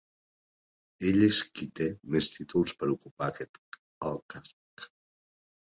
Ell és el qui té més títols per a ocupar aquest alt càrrec.